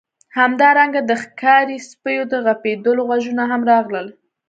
همدارنګه د ښکاري سپیو د غپیدلو غږونه هم راغلل